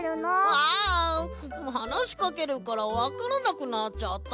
あはなしかけるからわからなくなっちゃった。